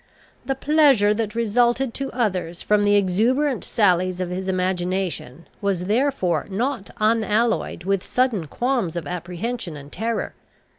The pleasure that resulted to others from the exuberant sallies of his imagination was, therefore, not unalloyed with sudden qualms of apprehension and terror.